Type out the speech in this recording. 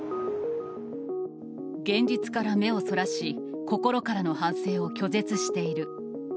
現実から目をそらし、心からの反省を拒絶している。